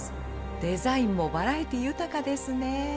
デザインもバラエティー豊かですね。